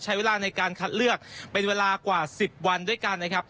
ใช้เวลาในการคัดเลือกเป็นเวลากว่า๑๐วันด้วยกันนะครับ